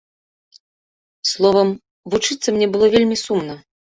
Словам, вучыцца мне было вельмі сумна.